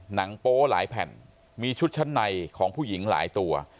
โป๊หลายแผ่นมีชุดชั้นในของผู้หญิงหลายตัว